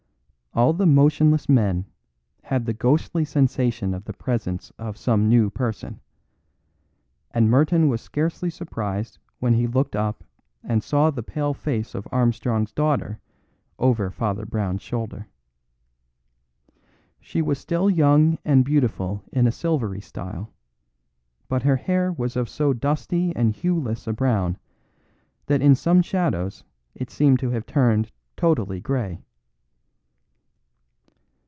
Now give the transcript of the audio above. All the motionless men had the ghostly sensation of the presence of some new person; and Merton was scarcely surprised when he looked up and saw the pale face of Armstrong's daughter over Father Brown's shoulder. She was still young and beautiful in a silvery style, but her hair was of so dusty and hueless a brown that in some shadows it seemed to have turned totally grey.